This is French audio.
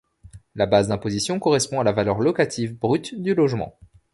La base d’imposition correspond à la valeur locative brute du logement.